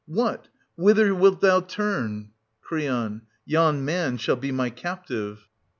What — whither wilt thou turn .^ Cr. Yon man shall be my captive.